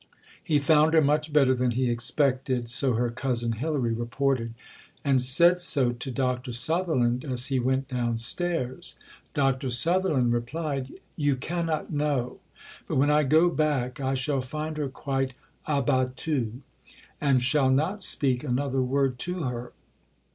"He found her much better than he expected," so her cousin Hilary reported, "and said so to Dr. Sutherland as he went downstairs. Dr. Sutherland replied, 'You cannot know; but when I go back I shall find her quite abattue, and shall not speak another word to her.'"